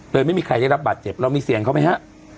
ไม่มีใครได้รับบาดเจ็บเรามีเสียงเขาไหมฮะ